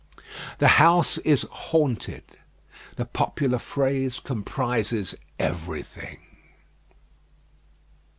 The house is "haunted;" the popular phrase comprises everything.